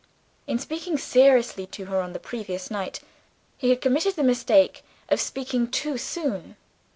In speaking seriously to her on the previous night, he had committed the mistake of speaking too soon.